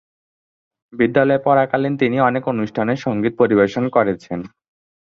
বিদ্যালয়ে পড়াকালীন তিনি অনেক অনুষ্ঠানে সঙ্গীত পরিবেশন করেছেন।